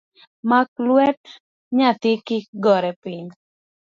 Mak lwet nyathi kik gore piny.